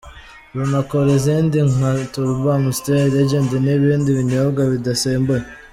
Runakora izindi nka Turbo, Amstel, Legend n’ibindi binyobwa bidasembuye.